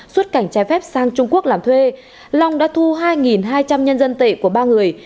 xuất cảnh trái phép sang trung quốc làm thuê long đã thu hai hai trăm linh nhân dân tệ của ba người